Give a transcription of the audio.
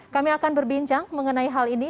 kami akan berbincang mengenai hal ini